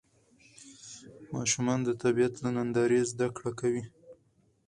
ماشومان د طبیعت له نندارې زده کړه کوي